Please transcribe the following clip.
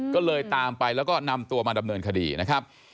ก็เลยตามไปแล้วก็นำตัวมาดำเนินคดีนะครับ